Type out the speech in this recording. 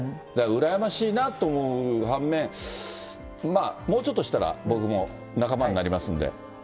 だから、羨ましいなと思う反面、まあ、もうちょっとしたら僕も仲間になりますので。